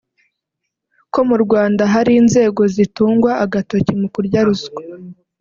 ko mu Rwanda hari inzego zitungwa agatoki mu kurya ruswa